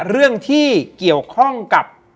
เรื่องที่เกี่ยวข้องกับ